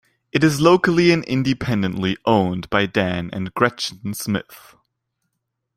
It is locally and independently owned by Dan and Gretchen Smith.